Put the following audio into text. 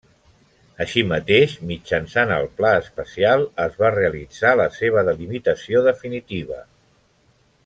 Així mateix, mitjançant el pla especial es va realitzar la seva delimitació definitiva.